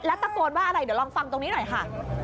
ตะโกนว่าอะไรเดี๋ยวลองฟังตรงนี้หน่อยค่ะ